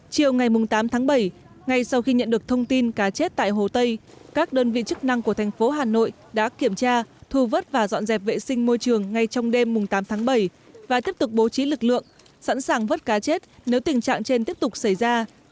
chiều ngày tám tháng bảy ngay sau khi nhận được thông tin cá chết tại hồ tây các đơn vị chức năng của thành phố hà nội đã kiểm tra thu vớt và dọn dẹp vệ sinh môi trường ngay trong đêm tám tháng bảy và tiếp tục bố trí lực lượng sẵn sàng vớt cá chết nếu tình trạng trên tiếp tục xảy ra